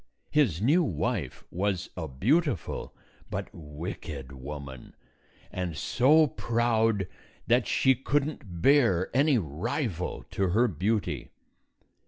His new wife was a beautiful but wicked woman, and so proud that she could n't bear any rival to her beauty.